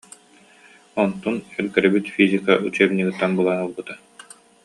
Онтун эргэрбит физика учебнигыттан булан ылбыта